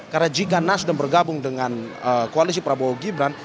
karena jika nasdem bergabung dengan koalisi prabowo gibran